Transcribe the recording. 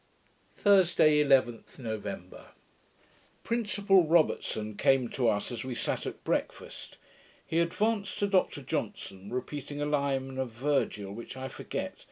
Thursday, 11th November Principal Robertson came to us as we sat at breakfast; he advanced to Dr Johnson, repeating a line of Virgil, which I forget.